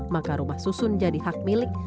maka rumah susun jadi hak milik